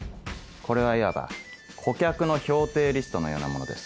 これはいわば顧客の評定リストのようなものです。